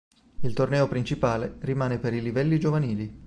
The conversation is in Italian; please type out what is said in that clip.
Il torneo provinciale rimane per i livelli giovanili.